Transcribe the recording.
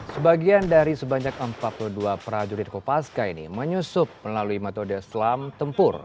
sebagian dari sebanyak empat puluh dua prajurit kopaska ini menyusup melalui metode selam tempur